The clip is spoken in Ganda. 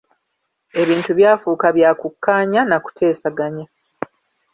Ebintu byafuuka bya kukkaanya n'akuteesaganya.